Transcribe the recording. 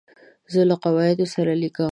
زه له قواعدو سره لیکم.